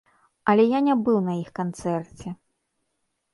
Але я не быў на іх канцэрце.